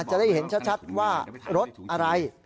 จะได้เห็นชัดว่ารถอะไร